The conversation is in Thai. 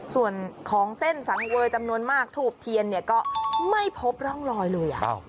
ส่วนของเส้นสังเวยจำนวนมากถูบเทียนเนี่ยก็ไม่พบร่องรอยเลย